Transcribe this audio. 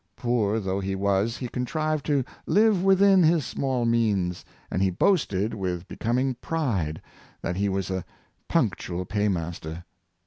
Poor though he was, he contrived to live within his small means, and he boasted, with becoming pride, that he was " a punctual paymaster."